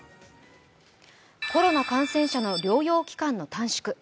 コロナ感染者の療養期間の短縮。